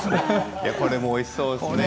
これも、おいしそうですね。